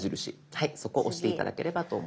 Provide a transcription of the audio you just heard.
はいそこ押して頂ければと思います。